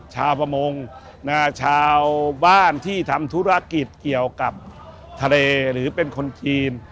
ชาวประมงชาวบ้านที่ทำธุรกิจเกี่ยวกับทะเลหรือเป็นคนจีน